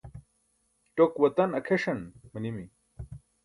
ṭok watan akʰeṣan manimi